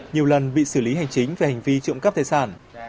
nhiều lần bị xử lý hành chính về hành vi trộm cắp tài sản